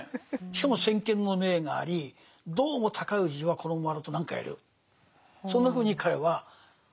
しかも先見の明がありどうも高氏はこのままだと何かやるそんなふうに彼は思っていて。